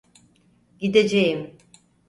Gideceğim.